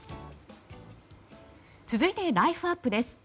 続いてライフあっぷです。